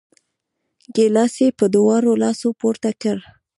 ګیلاس یې په دواړو لاسو پورته کړ!